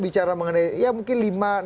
bicara mengenai ya mungkin lima